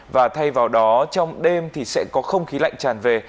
và thay vào đó trong đêm thì sẽ có không khí lạnh tràn về